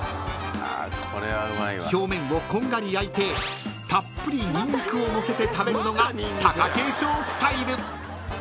［表面をこんがり焼いてたっぷりニンニクをのせて食べるのが貴景勝スタイル］